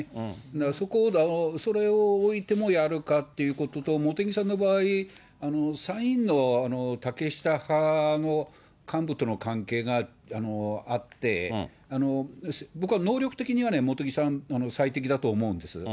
そこを、それをおいてもやるかっていうことと、茂木さんの場合、参院の竹下派の幹部との関係があって、僕は能力的にはね、茂木さん、最適だと思うんです。